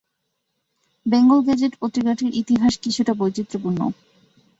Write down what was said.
Bengal Gazette পত্রিকাটির ইতিহাস কিছুটা বৈচিত্র্যপূর্ণ।